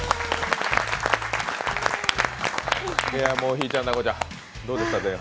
ひぃちゃん、奈子ちゃん、どうでしたか？